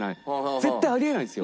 絶対あり得ないんですよ。